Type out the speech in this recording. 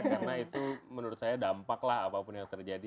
karena itu menurut saya dampak lah apapun yang terjadi